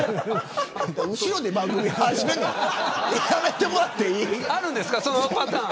後ろで番組始めるのやめてもらっていい。